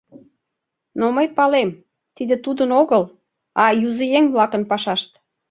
— Но мый палем, тиде тудын огыл, а юзыеҥ-влакын пашашт.